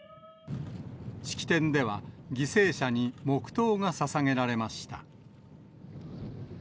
式典では、犠牲者に黙とうがささげられました。